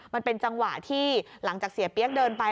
มันเป็นจังหวะที่หลังจากเสียเปี๊ยกเดินไป